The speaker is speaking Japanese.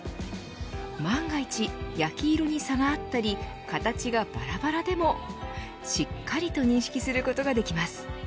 万が一、焼き色に差があったり形がばらばらでもしっかりと認識することができます。